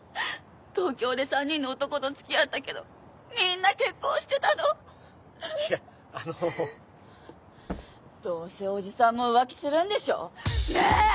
東京で３人の男とつきあったけどみんな結婚してたのいやあのどうせおじさんも浮気するんでしょ？ねぇ！